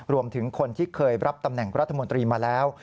รวมถึงคนที่เคยรับตำแหน่งรัฐมนตรีมาแล้ว